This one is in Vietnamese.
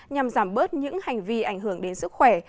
nhằm giảm bớt những hành vi ảnh hưởng đến sức khỏe